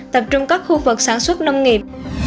tập trung các khu vực sản xuất nông nghiệp